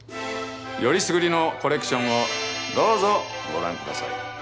よりすぐりのコレクションをどうぞご覧ください。